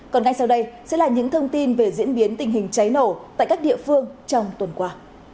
còn ngay sau đây sẽ là những thông tin về diễn biến tình hình cháy nổ tại các địa phương trong tuần qua